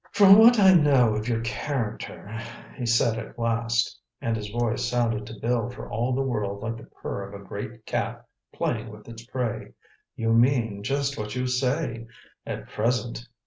"From what I know of your character," he said at last, and his voice sounded to Bill for all the world like the purr of a great cat playing with its prey, "you mean just what you say—at present.